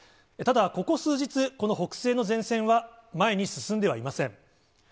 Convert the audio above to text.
ただ、ここ数日、この北西の前線は前に進んではいません。